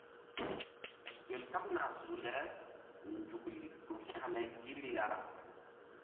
Gel kaɓna su le nzukri ɗuk hȩkme gi ri ya.